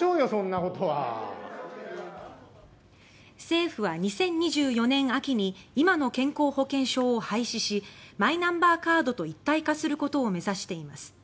政府は２０２４年秋に今の健康保険証を廃止しマイナンバーカードと一体化することを目指しています